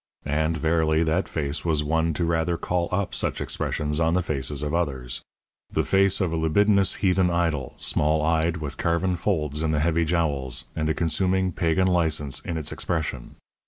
And, verily, that face was one to rather call up such expressions on the faces of others. The face of a libidinous heathen idol, small eyed, with carven folds in the heavy jowls, and a consuming, pagan license in its expression.